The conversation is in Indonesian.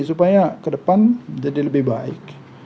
supaya ke depan jadi lebih baik